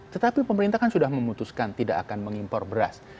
tetapi pemerintah kan sudah memutuskan tidak akan mengimpor beras